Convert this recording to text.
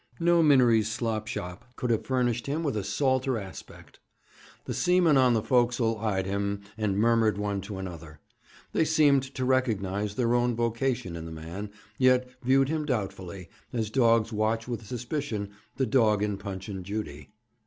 No Minories slop shop could have furnished him with a salter aspect. The seamen on the forecastle eyed him, and murmured one to another. They seemed to recognise their own vocation in the man, yet viewed him doubtfully, as dogs watch with suspicion the dog in Punch and Judy.